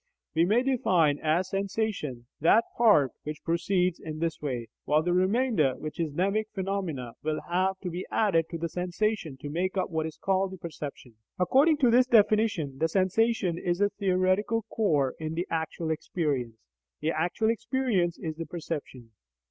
We may define as "sensation" that part which proceeds in this way, while the remainder, which is a mnemic phenomenon, will have to be added to the sensation to make up what is called the "perception." According to this definition, the sensation is a theoretical core in the actual experience; the actual experience is the perception.